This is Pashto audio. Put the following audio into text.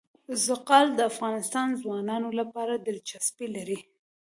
زغال د افغان ځوانانو لپاره دلچسپي لري.